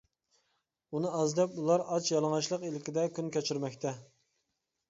ئۇنى ئاز دەپ ئۇلار ئاچ-يالىڭاچلىق ئىلكىدە كۈن كەچۈرمەكتە.